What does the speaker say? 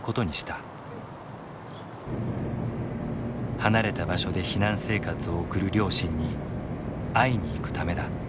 離れた場所で避難生活を送る両親に会いにいくためだ。